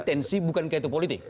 tensi bukan kaitu politik